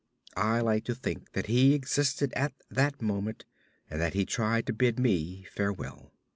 I like to think that he existed at that moment, and that he tried to bid me farewell.